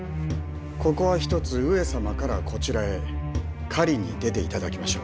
ここはひとつ上様からこちらへ狩りに出て頂きましょう。